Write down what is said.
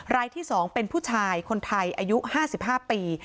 รายที่๒เป็นผู้ชายคนไทยอายุ๕๕ปี